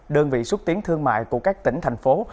đơn vị xúc tiến thương mại của các tỉnh thành phố